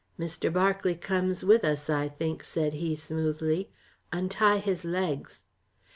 "Mr. Berkeley comes with us, I think," said he smoothly, "untie his legs."